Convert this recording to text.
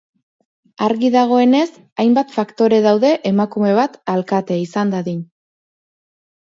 Argi dagoenez, hainbat faktore daude emakume bat alkate izan dadin.